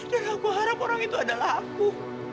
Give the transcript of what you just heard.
dan aku harap orang itu adalah aku